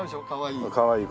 かわいい。